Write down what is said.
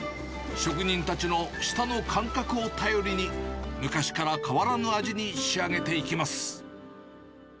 職人たちの舌の感覚を頼りに、昔から変わらぬ味に仕上げていきます。